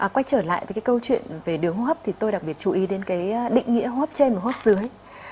quay trở lại với câu chuyện về đường hô hấp thì tôi đặc biệt chú ý đến định nghĩa hô hấp trên và hô hấp dưới